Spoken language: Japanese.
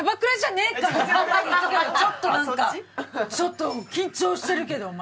ちょっとなんかちょっと緊張してるけどお前。